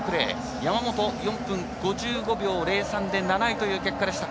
山本、４分５５秒０３で７位という結果。